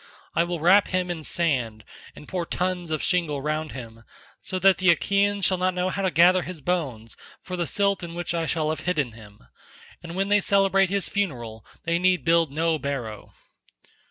I will wrap him in sand, and pour tons of shingle round him, so that the Achaeans shall not know how to gather his bones for the silt in which I shall have hidden him, and when they celebrate his funeral they need build no barrow."